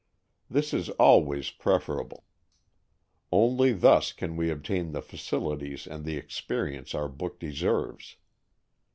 This is always preferable. Only thus can we obtain the facilities and the experience our book deserves.